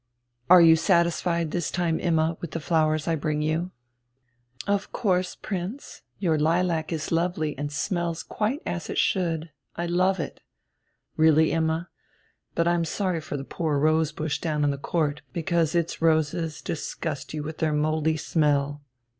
"Are you satisfied this time, Imma, with the flowers I bring you?" "Of course, Prince, your lilac is lovely and smells quite as it should. I love it." "Really, Imma? But I'm sorry for the poor rose bush down in the court, because its roses disgust you with their mouldy smell."